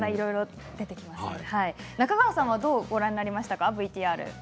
中川さんはどうご覧になりましたかＶＴＲ。